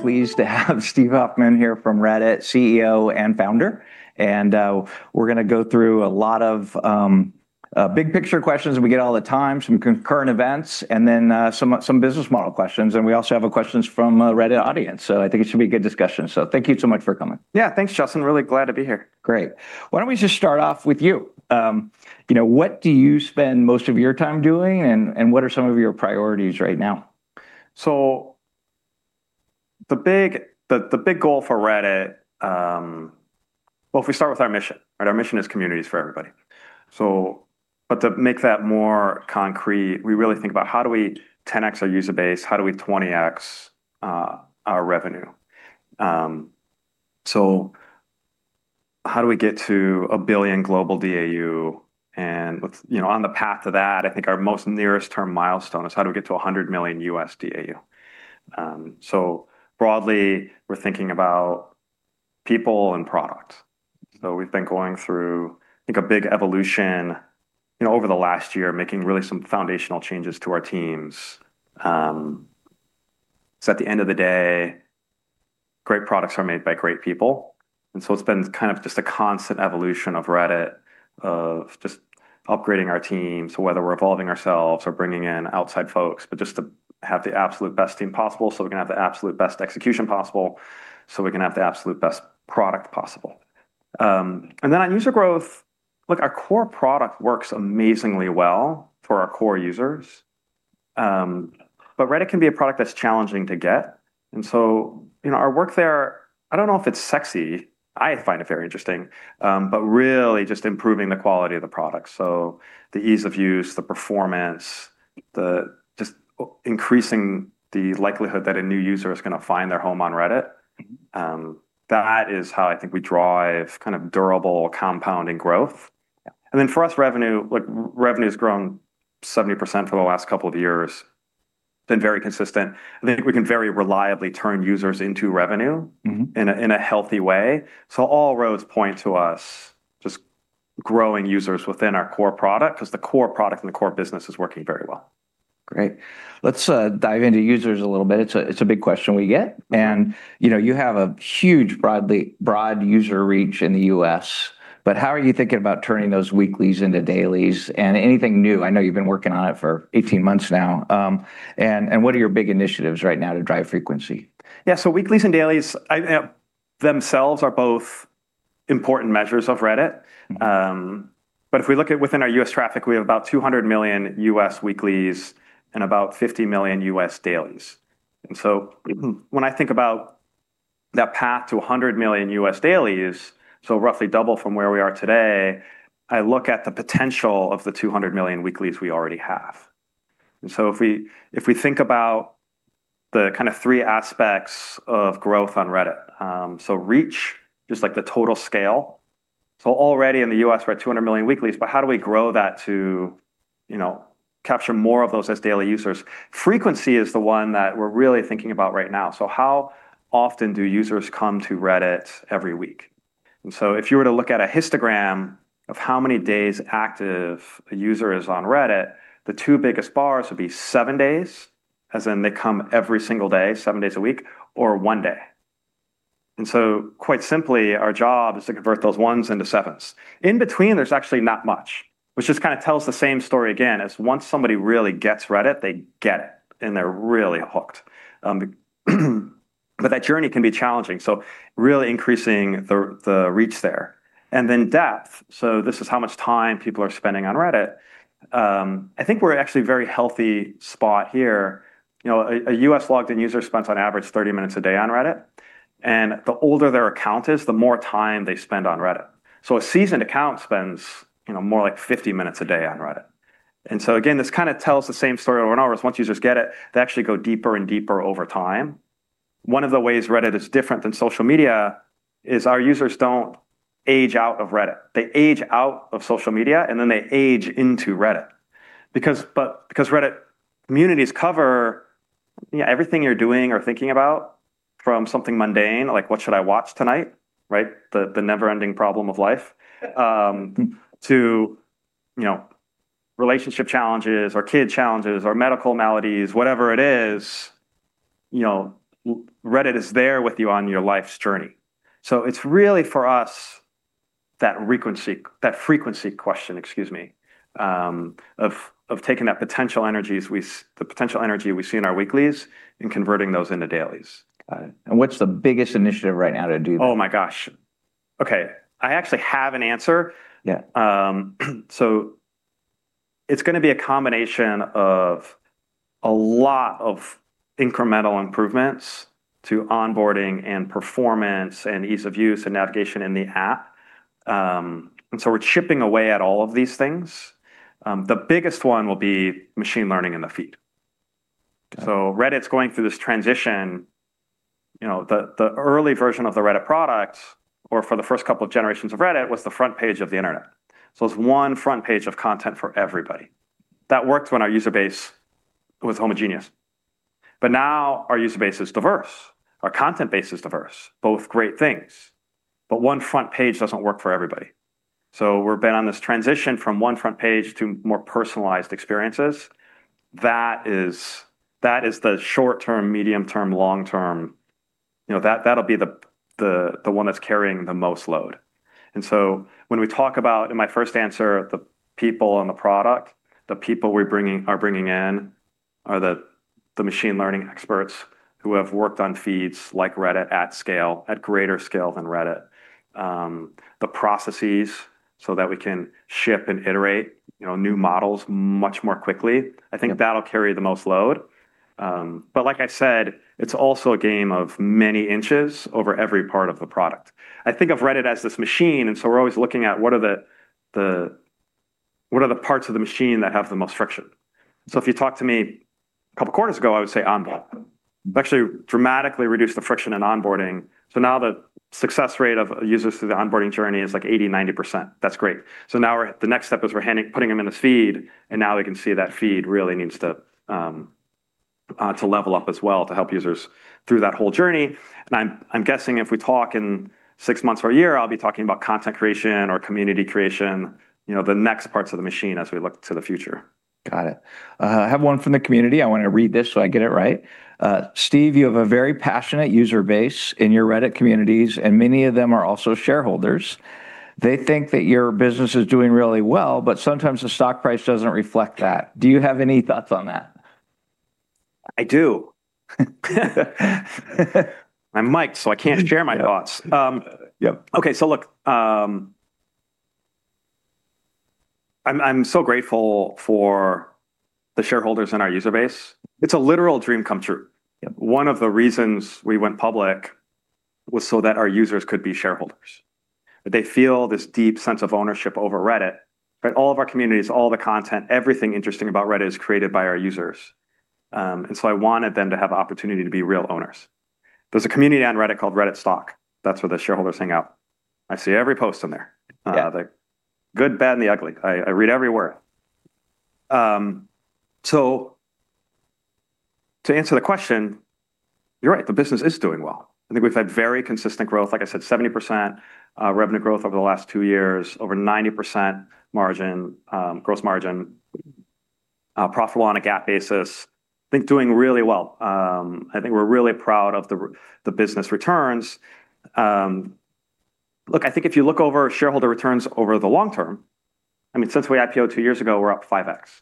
Very pleased to have Steve Huffman here from Reddit, Chief Executive Officer and Founder. We're going to go through a lot of big picture questions that we get all the time, some concurrent events, and then some business model questions. We also have questions from a Reddit audience. I think it should be a good discussion. Thank you so much for coming. Yeah. Thanks, Justin. Really glad to be here. Great. Why don't we just start off with you? What do you spend most of your time doing, and what are some of your priorities right now? The big goal for Reddit. Well, if we start with our mission, right? Our mission is communities for everybody. To make that more concrete, we really think about how do we 10x our user base, how do we 20x our revenue? How do we get to a billion global DAU? On the path to that, I think our most nearest term milestone is how do we get to 100 million U.S. DAU? Broadly, we're thinking about people and product. We've been going through, I think, a big evolution over the last year, making really some foundational changes to our teams. At the end of the day, great products are made by great people, and so it's been kind of just a constant evolution of Reddit, of just upgrading our team. Whether we're evolving ourselves or bringing in outside folks, but just to have the absolute best team possible so we can have the absolute best execution possible, so we can have the absolute best product possible. On user growth, look, our core product works amazingly well for our core users. Reddit can be a product that's challenging to get, and so our work there, I don't know if it's sexy, I find it very interesting, but really just improving the quality of the product. The ease of use, the performance, just increasing the likelihood that a new user is going to find their home on Reddit. That is how I think we drive kind of durable compounding growth. Yeah. For us, revenue's grown 70% for the last couple of years, been very consistent, and I think we can very reliably turn users into revenue in a healthy way. All roads point to us just growing users within our core product, because the core product and the core business is working very well. Great. Let's dive into users a little bit. It's a big question we get, and you have a huge broad user reach in the U.S., but how are you thinking about turning those weeklies into dailies, and anything new? I know you've been working on it for 18 months now. What are your big initiatives right now to drive frequency? Yeah. Weeklies and dailies, themselves, are both important measures of Reddit. If we look at within our U.S. traffic, we have about 200 million U.S. weeklies and about 50 million U.S. dailies. When I think about that path to 100 million U.S. dailies, so roughly double from where we are today, I look at the potential of the 200 million weeklies we already have. If we think about the kind of three aspects of growth on Reddit, so reach, just like the total scale. Already in the U.S. we're at 200 million weeklies. How do we grow that to capture more of those as daily users? Frequency is the one that we're really thinking about right now. How often do users come to Reddit every week? If you were to look at a histogram of how many days active a user is on Reddit, the two biggest bars would be seven days, as in they come every single day, seven days a week, or one day. Quite simply, our job is to convert those ones into sevens. In between, there's actually not much, which just kind of tells the same story again as once somebody really gets Reddit, they get it, and they're really hooked. That journey can be challenging, so really increasing the reach there. Then depth, so this is how much time people are spending on Reddit. I think we're at actually a very healthy spot here. A U.S. logged-in user spends on average 30 minutes a day on Reddit, and the older their account is, the more time they spend on Reddit. A seasoned account spends more like 50 minutes a day on Reddit. Again, this kind of tells the same story over and over is once users get it, they actually go deeper and deeper over time. One of the ways Reddit is different than social media is our users don't age out of Reddit. They age out of social media, and then they age into Reddit. Reddit communities cover everything you're doing or thinking about from something mundane, like what should I watch tonight, right? The never-ending problem of life. To relationship challenges or kid challenges or medical maladies, whatever it is, Reddit is there with you on your life's journey. It's really, for us, that frequency question, excuse me, of taking the potential energy we see in our weeklies and converting those into dailies. Got it. What's the biggest initiative right now to do that? Oh, my gosh. Okay. I actually have an answer. Yeah. It's going to be a combination of a lot of incremental improvements to onboarding and performance and ease of use and navigation in the app. We're chipping away at all of these things. The biggest one will be machine learning in the feed. Okay. Reddit's going through this transition. The early version of the Reddit product, or for the first couple of generations of Reddit, was the front page of the internet. It's one front page of content for everybody. That worked when our user base was homogeneous. Now our user base is diverse, our content base is diverse, both great things. One front page doesn't work for everybody. We're been on this transition from one front page to more personalized experiences. That is the short-term, medium-term, long-term. That'll be the one that's carrying the most load. When we talk about, in my first answer, the people and the product, the people we are bringing in are the machine learning experts who have worked on feeds like Reddit at scale, at greater scale than Reddit. The processes so that we can ship and iterate new models much more quickly. Yep. I think that'll carry the most load. Like I said, it's also a game of many inches over every part of the product. I think of Reddit as this machine. We're always looking at what are the parts of the machine that have the most friction. If you talked to me a couple quarters ago, I would say onboard. We've actually dramatically reduced the friction in onboarding. Now the success rate of users through the onboarding journey is like 80%, 90%. That's great. Now the next step is we're putting them in this feed. Now we can see that feed really needs to level up as well to help users through that whole journey. I'm guessing if we talk in six months or a year, I'll be talking about content creation or community creation, the next parts of the machine as we look to the future. Got it. I have one from the community. I want to read this so I get it right. Steve, you have a very passionate user base in your Reddit communities, and many of them are also shareholders. They think that your business is doing really well, but sometimes the stock price doesn't reflect that. Do you have any thoughts on that? I do. I'm mic'd, so I can't share my thoughts. Yep. Okay, look. I'm so grateful for the shareholders in our user base. It's a literal dream come true. Yep. One of the reasons we went public was so that our users could be shareholders. That they feel this deep sense of ownership over Reddit. All of our communities, all the content, everything interesting about Reddit is created by our users. I wanted them to have opportunity to be real owners. There's a community on Reddit called RedditStock. That's where the shareholders hang out. I see every post in there. Yeah. The good, bad, and the ugly. I read every word. To answer the question, you're right, the business is doing well. I think we've had very consistent growth. Like I said, 70% revenue growth over the last two years. Over 90% gross margin. Profitable on a GAAP basis. I think doing really well. I think we're really proud of the business returns. Look, I think if you look over shareholder returns over the long term, I mean, since we IPOed two years ago, we're up 5x.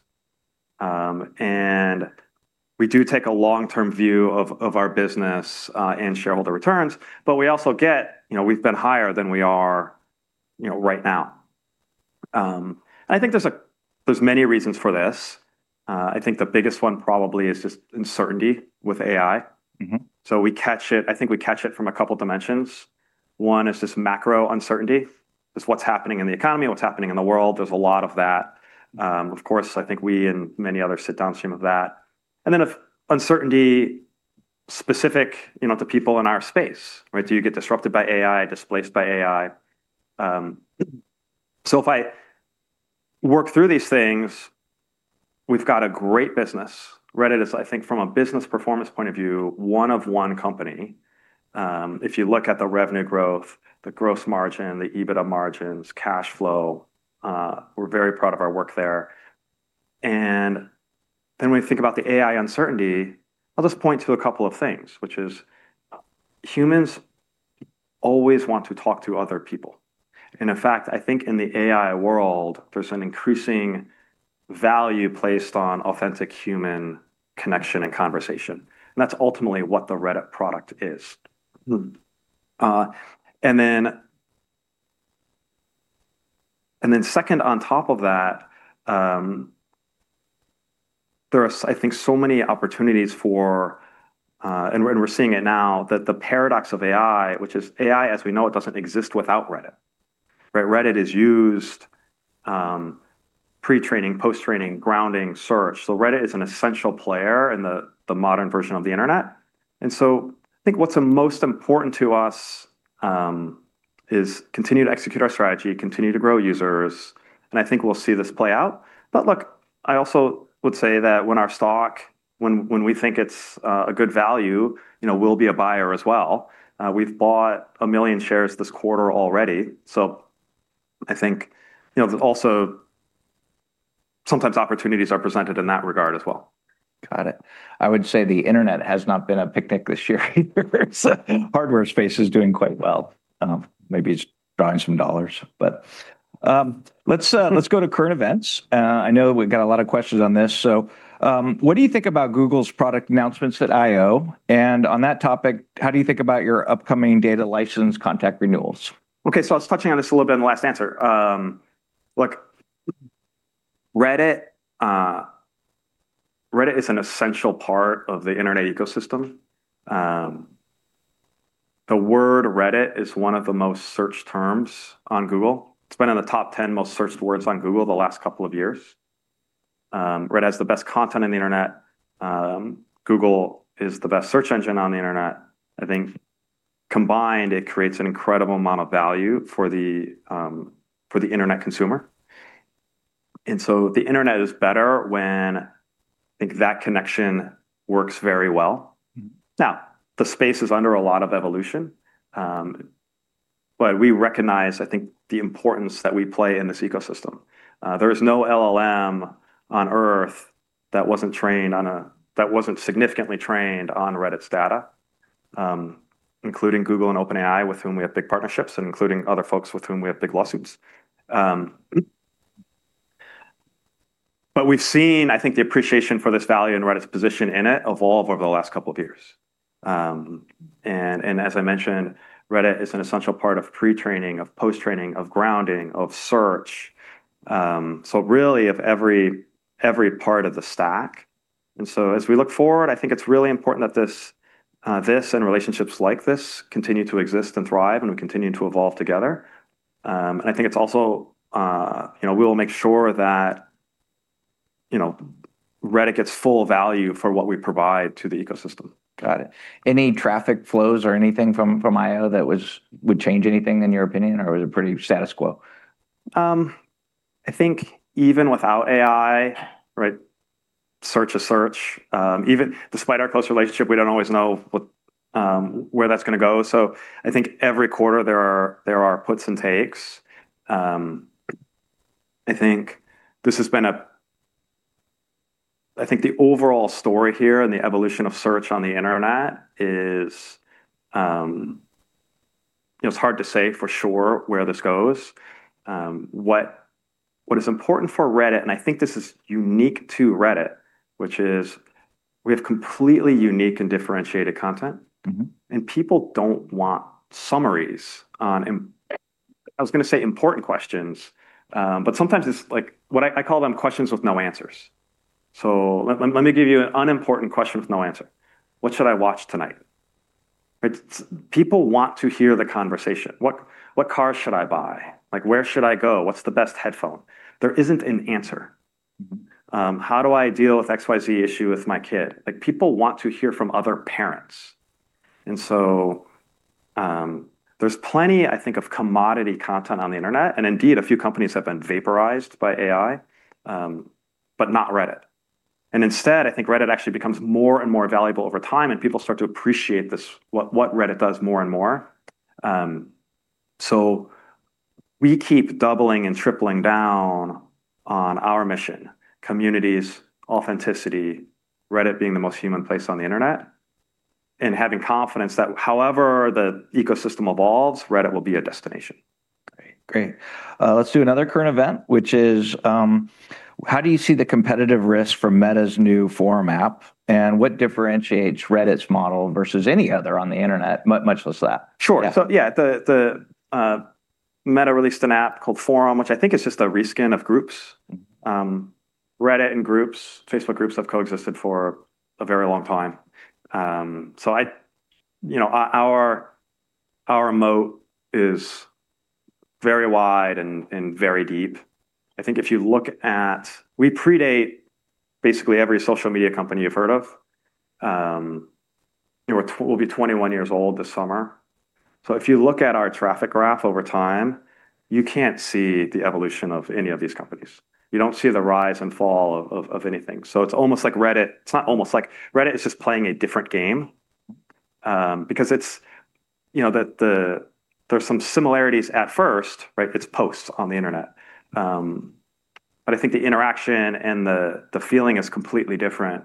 We do take a long-term view of our business, and shareholder returns, but we also get we've been higher than we are right now. I think there's many reasons for this. I think the biggest one probably is just uncertainty with AI. We catch it, I think we catch it from a couple dimensions. One is just macro uncertainty, just what's happening in the economy, what's happening in the world. There's a lot of that. Of course, I think we and many others sit downstream of that. Then of uncertainty specific to people in our space. Do you get disrupted by AI? Displaced by AI? If I work through these things, we've got a great business. Reddit is, I think from a business performance point of view, one of one company. If you look at the revenue growth, the gross margin, the EBITDA margins, cash flow, we're very proud of our work there. Then when you think about the AI uncertainty, I'll just point to a couple of things, which is humans always want to talk to other people. In fact, I think in the AI world, there's an increasing value placed on authentic human connection and conversation, and that's ultimately what the Reddit product is. Then second on top of that, there are, I think, so many opportunities for, and we're seeing it now, that the paradox of AI, which is AI as we know it doesn't exist without Reddit, right? Reddit is used pre-training, post-training, grounding search. Reddit is an essential player in the modern version of the internet. I think what's most important to us is continue to execute our strategy, continue to grow users, and I think we'll see this play out. Look, I also would say that when our stock, when we think it's a good value, we'll be a buyer as well. We've bought one million shares this quarter already, I think also sometimes opportunities are presented in that regard as well. Got it. I would say the internet has not been a picnic this year either so hardware space is doing quite well. Maybe it's drawing some dollars. Let's go to current events. I know we've got a lot of questions on this, so what do you think about Google's product announcements at I/O? On that topic, how do you think about your upcoming data license contract renewals? Okay, I was touching on this a little bit in the last answer. Look, Reddit is an essential part of the internet ecosystem. The word Reddit is one of the most searched terms on Google. It's been in the top 10 most searched words on Google the last couple of years. Reddit has the best content on the internet. Google is the best search engine on the internet. I think combined, it creates an incredible amount of value for the internet consumer. The internet is better when I think that connection works very well. Now, the space is under a lot of evolution. We recognize, I think, the importance that we play in this ecosystem. There is no LLM on Earth that wasn't significantly trained on Reddit's data, including Google and OpenAI, with whom we have big partnerships, and including other folks with whom we have big lawsuits. We've seen, I think, the appreciation for this value and Reddit's position in it evolve over the last couple of years. As I mentioned, Reddit is an essential part of pre-training, of post-training, of grounding, of search. Really of every part of the stack. As we look forward, I think it's really important that this and relationships like this continue to exist and thrive, and we continue to evolve together. I think it's also we'll make sure that Reddit gets full value for what we provide to the ecosystem. Got it. Any traffic flows or anything from I/O that would change anything in your opinion, or was it pretty status quo? I think even without AI, search is search. Even despite our close relationship, we don't always know where that's going to go. I think every quarter there are puts and takes. I think the overall story here and the evolution of search on the internet is, it's hard to say for sure where this goes. What is important for Reddit, and I think this is unique to Reddit, which is we have completely unique and differentiated content. People don't want summaries on, I was going to say important questions, but sometimes it's like, what I call them questions with no answers. Let me give you an unimportant question with no answer. What should I watch tonight? Right? People want to hear the conversation. What car should I buy? Where should I go? What's the best headphone? There isn't an answer. How do I deal with XYZ issue with my kid? People want to hear from other parents. There's plenty, I think, of commodity content on the internet, and indeed, a few companies have been vaporized by AI, but not Reddit. Instead, I think Reddit actually becomes more and more valuable over time, and people start to appreciate what Reddit does more and more. We keep doubling and tripling down on our mission, communities, authenticity, Reddit being the most human place on the internet, and having confidence that however the ecosystem evolves, Reddit will be a destination. Great. Let's do another current event, which is, how do you see the competitive risk from Meta's new Forum app, and what differentiates Reddit's model versus any other on the internet, much less that? Sure. Yeah. Yeah, Meta released an app called Forum, which I think is just a reskin of groups. Reddit and groups, Facebook groups have coexisted for a very long time. Our moat is very wide and very deep. I think if you look at, we predate basically every social media company you've heard of. We'll be 21 years old this summer. If you look at our traffic graph over time, you can't see the evolution of any of these companies. You don't see the rise and fall of anything. It's almost like Reddit is just playing a different game, because there's some similarities at first, right? It's posts on the internet. I think the interaction and the feeling is completely different.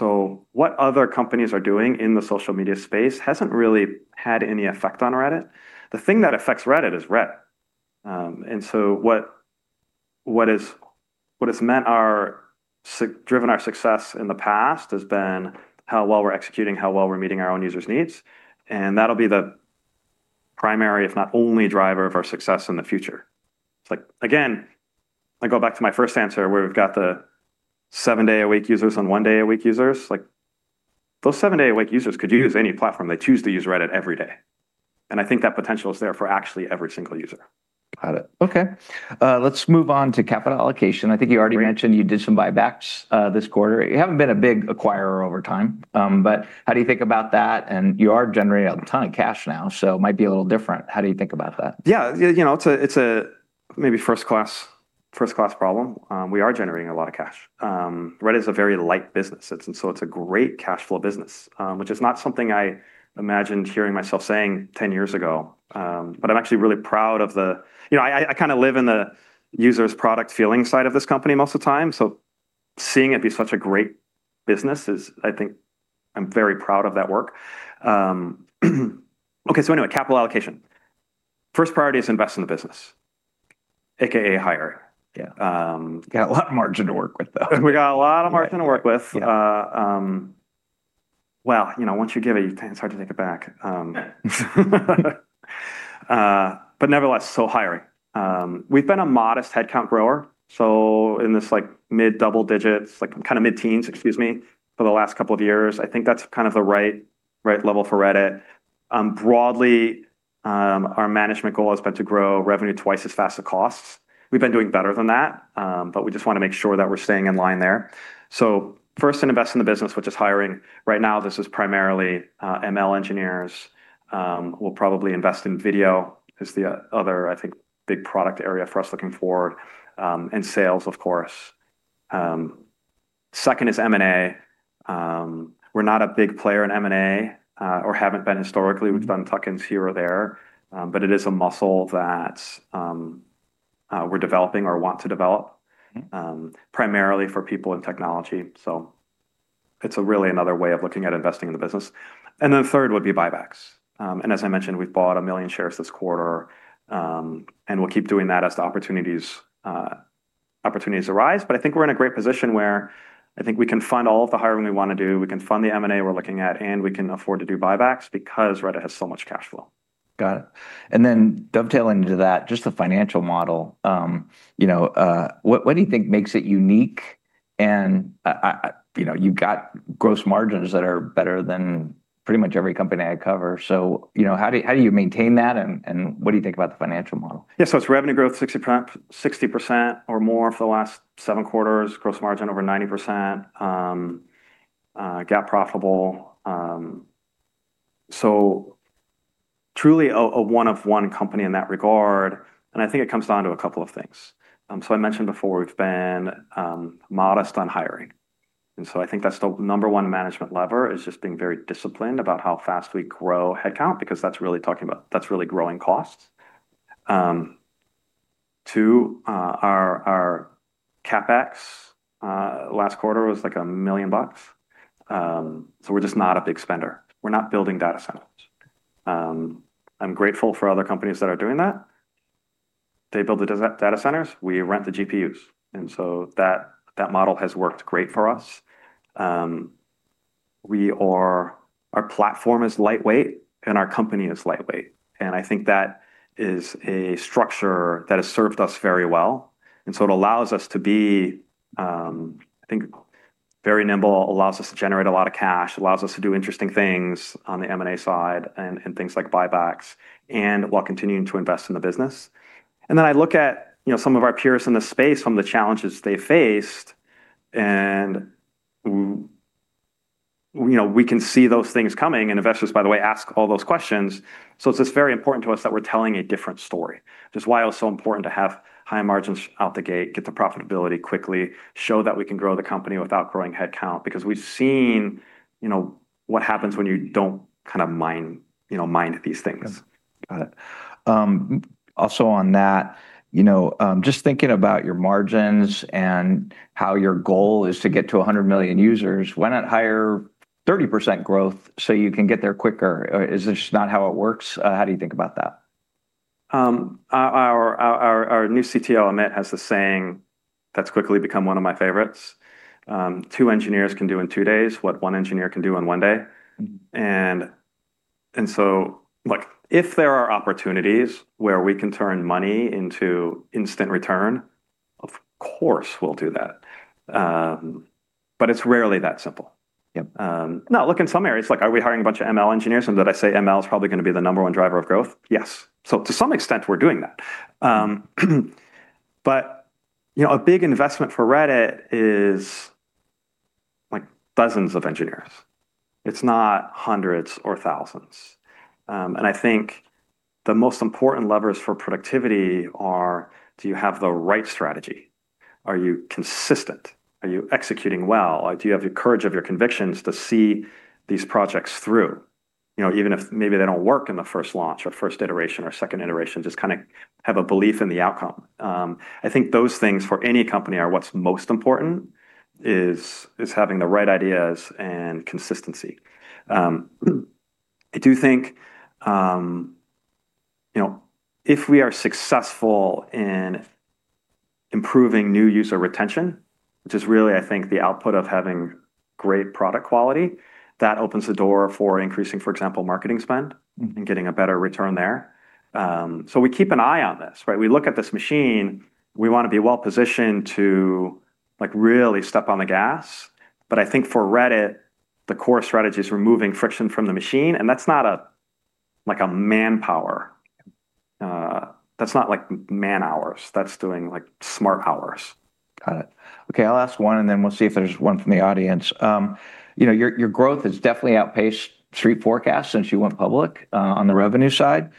What other companies are doing in the social media space hasn't really had any effect on Reddit. The thing that affects Reddit is Reddit. What has driven our success in the past has been how well we're executing, how well we're meeting our own users' needs. That'll be the primary, if not only driver of our success in the future. It's like, again, I go back to my first answer where we've got the seven-day-a-week users and one-day-a-week users. Those seven-day-a-week users could use any platform, they choose to use Reddit every day. I think that potential is there for actually every single user. Got it. Okay. Let's move on to capital allocation. You did some buybacks this quarter. You haven't been a big acquirer over time. How do you think about that? You are generating a ton of cash now, so it might be a little different. How do you think about that? Yeah. It's a maybe first-class problem. We are generating a lot of cash. Reddit is a very light business. It's a great cash flow business, which is not something I imagined hearing myself saying 10 years ago. I'm actually really proud of the, you know I kinda live in the user's product feeling side of this company most of the time. Seeing it be such a great business is, I think I'm very proud of that work. Okay. Anyway, capital allocation. First priority is invest in the business, AKA hire. Yeah. Got a lot of margin to work with, though. We got a lot of margin to work with. Yeah. Well, once you get it's hard to take it back. Nevertheless, hiring. We've been a modest headcount grower, in this mid-double digits, mid-teens, excuse me, for the last couple of years. I think that's the right level for Reddit. Broadly, our management goal has been to grow revenue twice as fast as costs. We've been doing better than that. We just want to make sure that we're staying in line there. First, invest in the business, which is hiring. Right now, this is primarily ML engineers. We'll probably invest in video as the other, I think, big product area for us looking forward. Sales, of course. Second is M&A. We're not a big player in M&A, or haven't been historically. We've done tuck-ins here or there. It is a muscle that we're developing or want to develop. primarily for people in technology. It's really another way of looking at investing in the business. Third would be buybacks. As I mentioned, we've bought a million shares this quarter, and we'll keep doing that as the opportunities arise. I think we're in a great position where I think we can fund all of the hiring we want to do, we can fund the M&A we're looking at, and we can afford to do buybacks because Reddit has so much cash flow. Got it. Dovetailing into that, just the financial model, what do you think makes it unique? You've got gross margins that are better than pretty much every company I cover. How do you maintain that, and what do you think about the financial model? Yeah. It's revenue growth 60% or more for the last seven quarters, gross margin over 90%, GAAP profitable. Truly a one of one company in that regard, and I think it comes down to a couple of things. I mentioned before we've been modest on hiring, I think that's the number one management lever is just being very disciplined about how fast we grow headcount, because that's really growing costs. Two, our CapEx last quarter was like $1 million, we're just not a big spender. We're not building data centers. I'm grateful for other companies that are doing that. They build the data centers, we rent the GPUs, that model has worked great for us. Our platform is lightweight, our company is lightweight. I think that is a structure that has served us very well, and so it allows us to be, I think, very nimble, allows us to generate a lot of cash, allows us to do interesting things on the M&A side, and things like buybacks, and while continuing to invest in the business. I look at some of our peers in the space, some of the challenges they faced, and we can see those things coming, and investors, by the way, ask all those questions. It's just very important to us that we're telling a different story. Which is why it was so important to have high margins out the gate, get to profitability quickly, show that we can grow the company without growing headcount. Because we've seen what happens when you don't kind of mind these things. Got it. On that, just thinking about your margins and how your goal is to get to 100 million users, why not hire 30% growth so you can get there quicker? Is this just not how it works? How do you think about that? Our new Chief Technology Officer, Amit, has this saying that's quickly become one of my favorites. Two Engineers can do in two days what one Engineer can do in one day. Look, if there are opportunities where we can turn money into instant return, of course we'll do that. It's rarely that simple. Yep. Look, in some areas, like are we hiring a bunch of ML Engineers? Did I say ML is probably going to be the number one driver of growth? Yes. To some extent, we're doing that. A big investment for Reddit is dozens of Engineers. It's not hundreds or thousands. I think the most important levers for productivity are: Do you have the right strategy? Are you consistent? Are you executing well? Do you have your courage of your convictions to see these projects through? Even if maybe they don't work in the first launch or first iteration or second iteration, just kind of have a belief in the outcome. I think those things for any company are what's most important, is having the right ideas and consistency. I do think, if we are successful in improving new user retention, which is really, I think, the output of having great product quality, that opens the door for increasing, for example, marketing spend. Getting a better return there. We keep an eye on this, right? We look at this machine, we want to be well-positioned to really step on the gas. I think for Reddit, the core strategy is removing friction from the machine, and that's not like a manpower. That's not like man-hours. That's doing like smart hours. Got it. Okay, I'll ask one, and then we'll see if there's one from the audience. Your growth has definitely outpaced Street forecasts since you went public on the revenue side.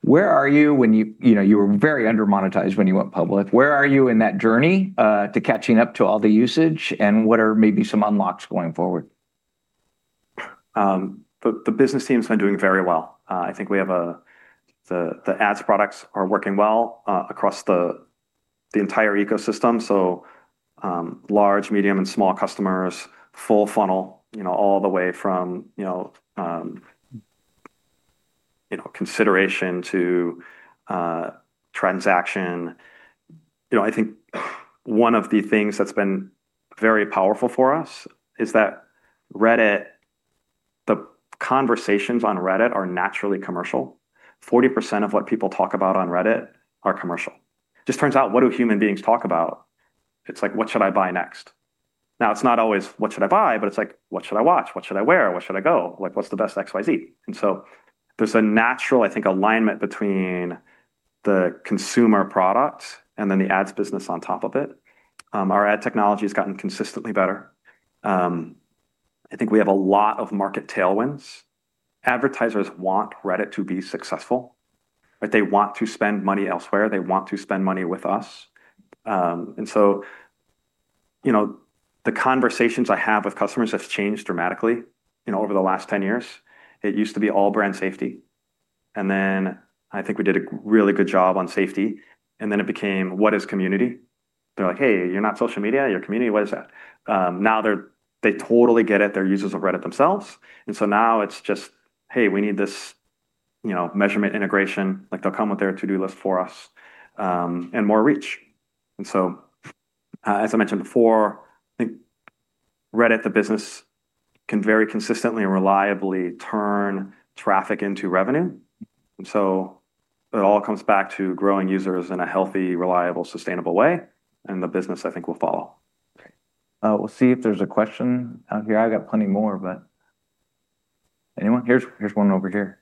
Where are you when you were very under-monetized when you went public? Where are you in that journey to catching up to all the usage, and what are maybe some unlocks going forward? The business team's been doing very well. I think we have the ads products are working well across the entire ecosystem, so large, medium, and small customers, full funnel all the way from consideration to transaction. I think one of the things that's been very powerful for us is that Reddit, the conversations on Reddit are naturally commercial. 40% of what people talk about on Reddit are commercial. Just turns out, what do human beings talk about? It's like, what should I buy next? Now it's not always what should I buy, but it's like, what should I watch? What should I wear? Where should I go? What's the best XYZ? There's a natural, I think, alignment between the consumer product and then the ads business on top of it. Our ad technology's gotten consistently better. I think we have a lot of market tailwinds. Advertisers want Reddit to be successful. They want to spend money elsewhere. They want to spend money with us. The conversations I have with customers have changed dramatically over the last 10 years. It used to be all brand safety, and then I think we did a really good job on safety, and then it became, what is community? They're like, hey, you're not social media, you're community. What is that? Now they totally get it. They're users of Reddit themselves. Now it's just, hey, we need this measurement, integration. They'll come with their to-do list for us, and more reach. As I mentioned before, I think Reddit the business can very consistently and reliably turn traffic into revenue. It all comes back to growing users in a healthy, reliable, sustainable way, and the business, I think, will follow. Okay. We'll see if there's a question out here. I got plenty more, but anyone? Here's one over here.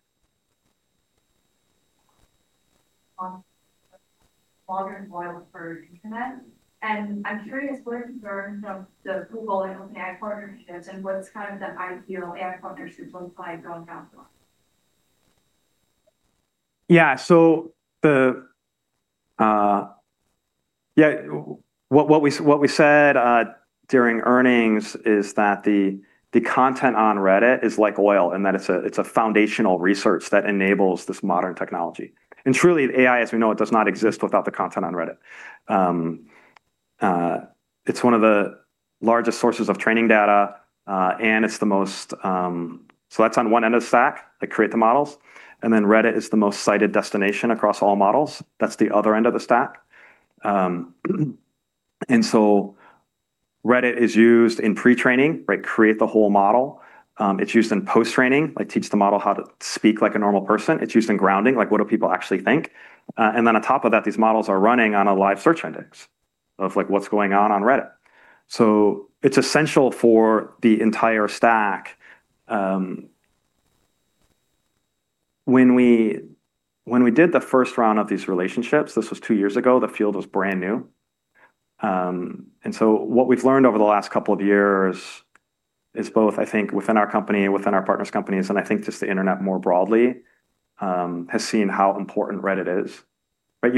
For internet, I'm curious what concerns of the Google and OpenAI partnerships and what's the ideal ad partnership look like going forward? Yeah. What we said during earnings is that the content on Reddit is like oil and that it's a foundational resource that enables this modern technology. Truly, AI, as we know it, does not exist without the content on Reddit. It's one of the largest sources of training data. That's on one end of the stack, like create the models, Reddit is the most cited destination across all models. That's the other end of the stack. Reddit is used in pre-training, create the whole model. It's used in post-training, like teach the model how to speak like a normal person. It's used in grounding, like what do people actually think. On top of that, these models are running on a live search index of what's going on on Reddit. It's essential for the entire stack. When we did the first round of these relationships, this was two years ago, the field was brand new. What we've learned over the last couple of years is both, I think, within our company and within our partners' companies, and I think just the internet more broadly, has seen how important Reddit is. If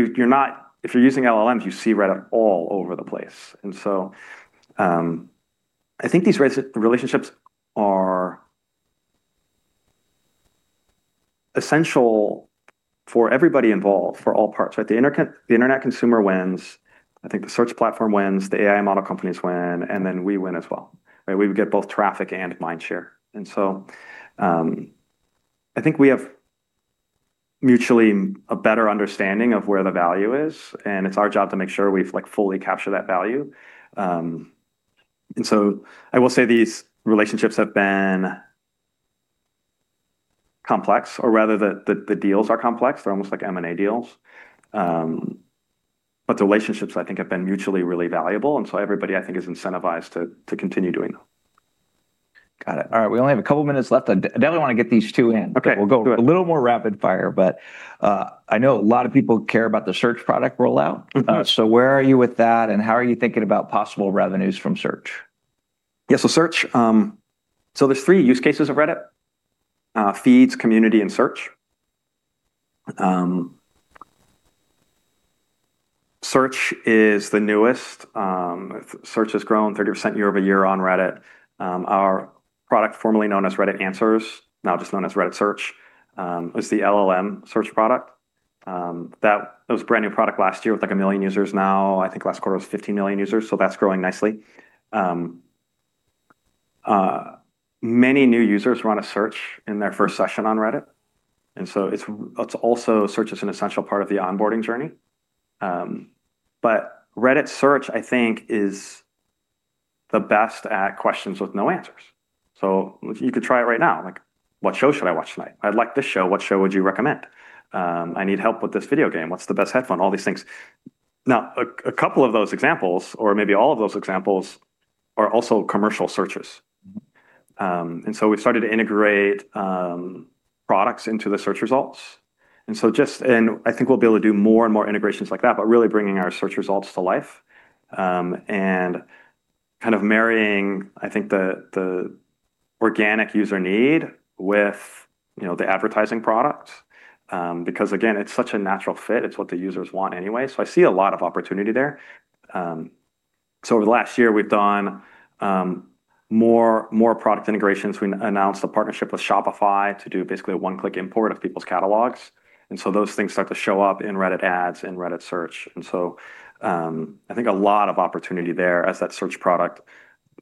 you're using LLMs, you see Reddit all over the place. I think these relationships are essential for everybody involved, for all parts, right? The internet consumer wins, I think the search platform wins, the AI model companies win, and then we win as well. We would get both traffic and mind share. I think we have mutually a better understanding of where the value is, and it's our job to make sure we've fully captured that value. I will say these relationships have been complex, or rather the deals are complex. They're almost like M&A deals. The relationships, I think, have been mutually really valuable, and so everybody, I think, is incentivized to continue doing them. Got it. All right. We only have a couple minutes left. I definitely want to get these two in. Okay. Do it. We'll go a little more rapid fire, but I know a lot of people care about the Search product rollout. Where are you with that, and how are you thinking about possible revenues from Search? Yeah. There's three use cases of Reddit: feeds, community, and Search. Search is the newest. Search has grown 30% year-over-year on Reddit. Our product, formerly known as Reddit Answers, now just known as Reddit Search, is the LLM Search product. That was a brand-new product last year with like a million users. Now I think last quarter was 15 million users, so that's growing nicely. Many new users run a search in their first session on Reddit, Search is an essential part of the onboarding journey. Reddit Search, I think, is the best at questions with no answers. You could try it right now. Like, what show should I watch tonight? I like this show. What show would you recommend? I need help with this video game. What's the best headphone? All these things. Now, a couple of those examples, or maybe all of those examples, are also commercial searches. We've started to integrate products into the search results. I think we'll be able to do more and more integrations like that, but really bringing our search results to life, and kind of marrying, I think, the organic user need with the advertising product. Because again, it's such a natural fit. It's what the users want anyway. I see a lot of opportunity there. Over the last year, we've done more product integrations. We announced a partnership with Shopify to do basically a one-click import of people's catalogs. Those things start to show up in Reddit ads, in Reddit Search. I think a lot of opportunity there as that Search product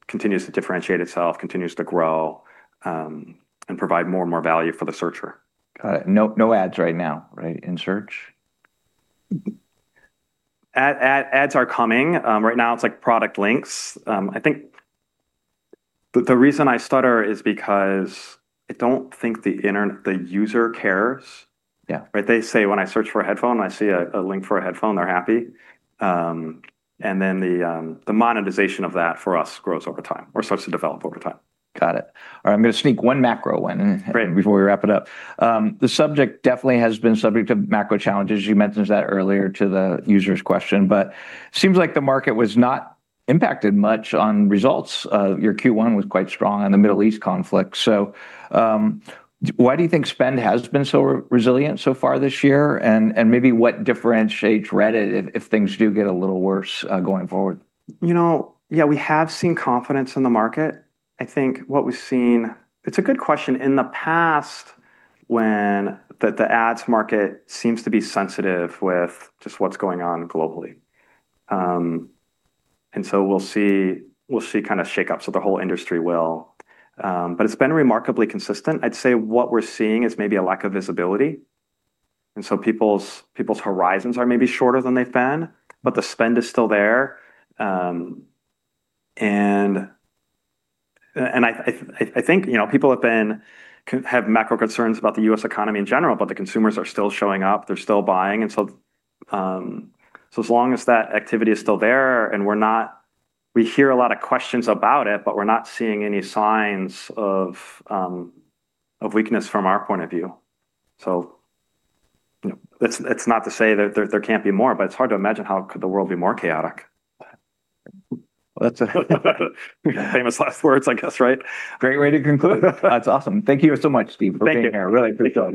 continues to differentiate itself, continues to grow, and provide more and more value for the searcher. Got it. No ads right now, right, in Search? Ads are coming. Right now it's like product links. I think the reason I stutter is because I don't think the user cares. Yeah. They say when I search for a headphone, I see a link for a headphone, they're happy. The monetization of that for us grows over time or starts to develop over time. Got it. All right. I'm going to sneak one macro. Great Before we wrap it up, the subject definitely has been subject to macro challenges. You mentioned that earlier to the user's question, but seems like the market was not impacted much on results. Your Q1 was quite strong on the Middle East conflict. Why do you think spend has been so resilient so far this year? Maybe what differentiates Reddit if things do get a little worse going forward? Yeah, we have seen confidence in the market. I think what we've seen, it's a good question. In the past, when the ads market seems to be sensitive with just what's going on globally. We'll see shakeups, so the whole industry will. It's been remarkably consistent. I'd say what we're seeing is maybe a lack of visibility, and so people's horizons are maybe shorter than they've been, but the spend is still there. I think people have macro concerns about the U.S. economy in general, but the consumers are still showing up, they're still buying. As long as that activity is still there and we hear a lot of questions about it, but we're not seeing any signs of weakness from our point of view. It's not to say that there can't be more, but it's hard to imagine how could the world be more chaotic. That's a- Famous last words, I guess, right? Great way to conclude. That's awesome. Thank you so much, Steve. Thank you. For being here. I really appreciate your time.